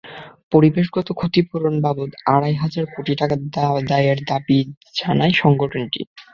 পরিবেশগত ক্ষতিপূরণ বাবদ আড়াই হাজার কোটি টাকা আদায়ের দাবি জানায় সংগঠনটি।